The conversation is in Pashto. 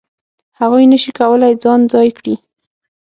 هغوی نه شي کولای ځان ځای کړي.